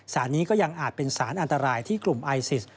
สารนี้ก็ยังอาจเป็นสารอันตรายที่กลุ่มไอซิส